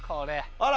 あら！